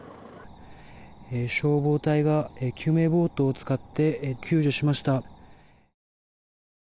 消防隊が救命ボートを使って救助しました。